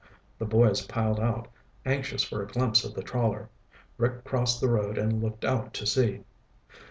The boys piled out, anxious for a glimpse of the trawler. Rick crossed the road and looked out to sea.